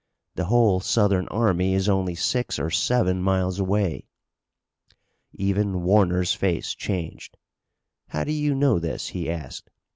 The whole Southern army is only six or seven miles away." Even Warner's face changed. "How do you know this?" he asked.